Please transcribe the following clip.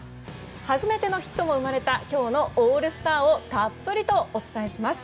初めてのヒットも生まれた今日のオールスターをたっぷりとお伝えします。